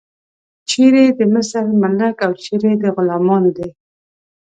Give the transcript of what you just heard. چیرې د مصر ملک او چیرې د غلامانو دی.